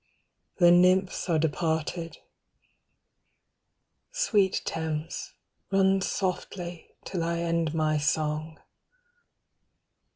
The nymphs are departed. Sweet Thames, run softly, till I end my song.